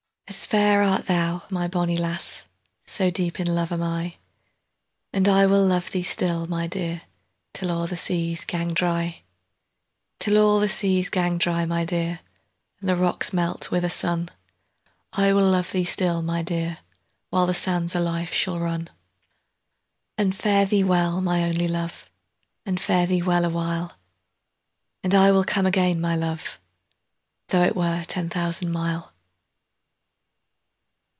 As fair art thou, my bonnie lass, 5 So deep in luve am I: And I will luve thee still, my dear, Till a' the seas gang dry: Till a' the seas gang dry, my dear, And the rocks melt wi' the sun; 10 I will luve thee still, my dear, While the sands o' life shall run. And fare thee weel, my only Luve, And fare thee weel a while! And I will come again, my Luve, 15 Tho' it were ten thousand mile.